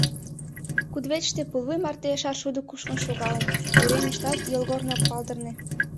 Кудывечыште пулвуй марте шаршудо кушкын шогалын, уремыштат йолгорно ок палдырне.